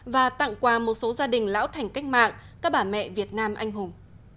và tặng quà một số gia đình lão thành cách mạng các bà mẹ việt nam anh hùng